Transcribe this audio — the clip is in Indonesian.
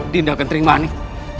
dinda akan terima anik